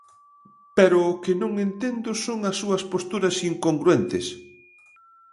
Pero o que non entendo son as súas posturas incongruentes.